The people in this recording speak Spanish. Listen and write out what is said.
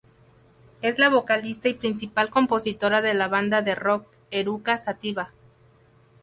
Es la vocalista y principal compositora de la banda de rock Eruca Sativa.